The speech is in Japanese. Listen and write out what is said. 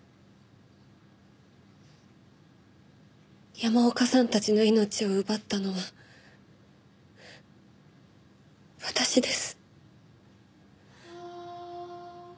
山岡さんたちの命を奪ったのは私です。